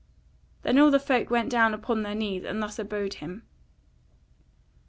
Then all folk went down upon their knees, and thus abode him.